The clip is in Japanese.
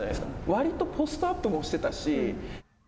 割とポストアップもしてたし。